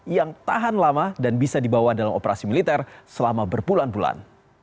yang tahan lama dan bisa dibawa dalam operasi militer selama berbulan bulan